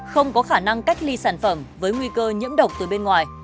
không có khả năng cách ly sản phẩm với nguy cơ nhiễm độc từ bên ngoài